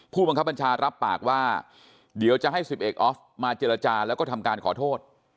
ผู้บังคับบัญชารับปากว่าเดี๋ยวจะให้๑๑ออฟมาเจรจาแล้วก็ทำการขอโทษ